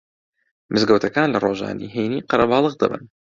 مزگەوتەکان لە ڕۆژانی هەینی قەرەباڵغ دەبن